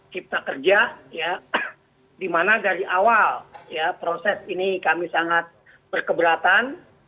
kita kerja ya dimana dari awal ya proses ini kami sangat berkeberatan